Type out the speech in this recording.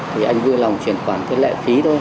thì anh vui lòng chuyển khoản cái lệ phí thôi